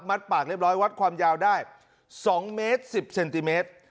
ปากเรียบร้อยวัดความยาวได้๒เมตร๑๐เซนติเมตร